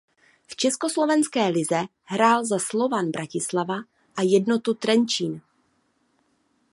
V československé lize hrál za Slovan Bratislava a Jednotu Trenčín.